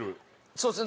そうです。